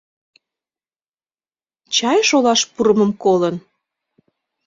Чай шолаш пурымым колын.